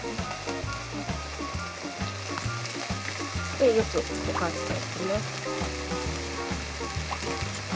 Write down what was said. でよく溶かしていきます。